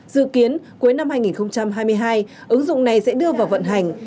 dự kiến cuối năm hai nghìn hai mươi hai ứng dụng này sẽ đưa vào vận hành